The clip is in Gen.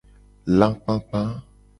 Lakpakpa.